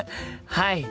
はい。